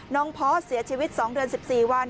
น้องพ่อเสียชีวิต๒เดือน๑๔วัน